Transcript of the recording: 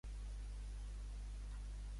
Moret segueix ocupant el càrrec de batllessa?